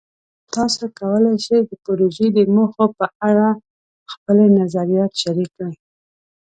تاسو کولی شئ د پروژې د موخو په اړه خپلې نظریات شریک کړئ.